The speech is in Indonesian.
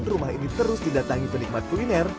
rumah ini terus didatangi penikmat kuliner